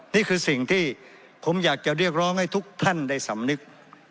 นี่คือสิ่งที่ผมอยากจะเรียกร้องให้ทุกท่านได้สำนึก